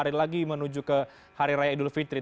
jadi ini sudah menuju ke hari raya idul fitri